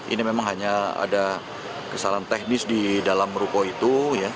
ini memang hanya ada kesalahan teknis di dalam ruko itu